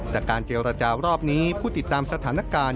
แต่การเจรจารอบนี้ผู้ติดตามสถานการณ์